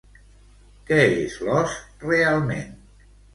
Què és l'os realment?